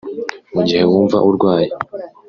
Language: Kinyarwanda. Mu gihe wumva urwaye